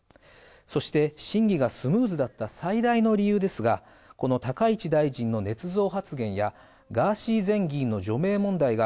そして審議がスムーズだった最大の理由ですが、この高市大臣のねつ造発言や、ガーシー前議員の除名問題が、